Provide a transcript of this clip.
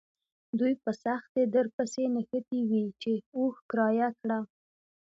دوی په سختۍ درپسې نښتي وي چې اوښ کرایه کړه.